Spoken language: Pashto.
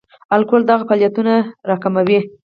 الکول دغه فعالیتونه را ټیټوي.